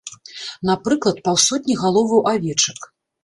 Напрыклад, паўсотні галоваў авечак.